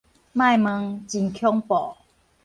莫問真恐怖